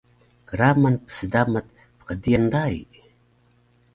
kraman psdamac pqdiyan rai